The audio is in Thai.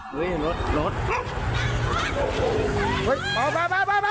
เฮ้ยรถรถ